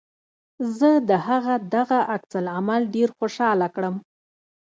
زه د هغه دغه عکس العمل ډېر خوشحاله کړم